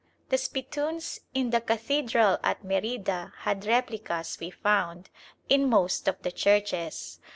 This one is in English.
The spittoons in the cathedral at Merida had replicas, we found, in most of the churches.